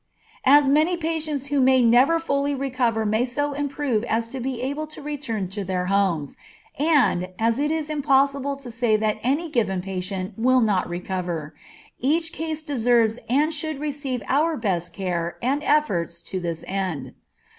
As many patients who may never fully recover may so improve as to be able to return to their homes, and, as it is impossible to say that any given patient will not recover, each case deserves and should receive our best care and efforts to this end.